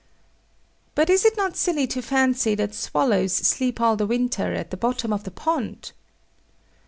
But is it not silly to fancy that swallows sleep all the winter at the bottom of the pond?